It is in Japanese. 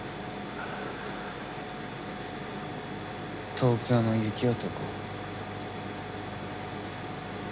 東京の雪男。